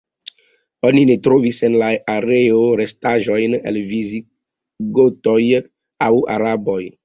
Oni ne trovis en la areo restaĵojn el visigotoj aŭ araboj.